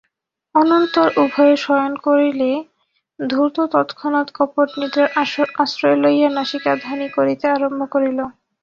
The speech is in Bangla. অনন্তর উভয়ে শয়ন করিলে ধূর্ত তৎক্ষণাৎ কপট নিদ্রার আশ্রয় লইয়া নাসিকাধ্বনি করিতে আরম্ভ করিল।